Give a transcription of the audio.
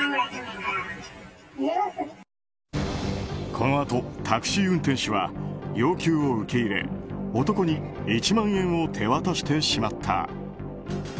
このあと、タクシー運転手は要求を受け入れ男に１万円を手渡してしまった。